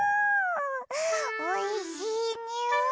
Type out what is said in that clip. おいしいにおい！